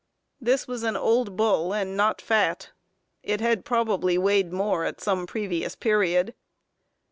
This was an old bull, and not fat. It had probably weighed more at some previous period."